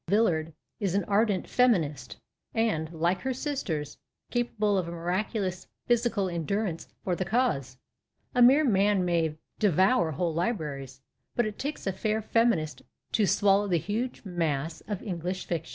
Villard is an ardent " feminist," and, like her sisters, capalile of miracu lous physical endurance for tlie " cause." A mere man may " devour whole libraries," but it takes a fair feminist to swallow the huge mass of English ik'tion.